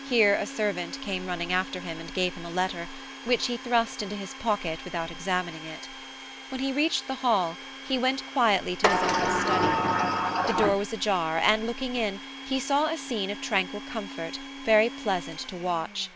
Here a servant came running after him and gave him a letter, which he thrust into his pocket without examining it. When he reached the Hall, he went quietly to his uncle's study. The door was ajar, and looking in, he saw a scene of tranquil comfort, very pleasant to watch.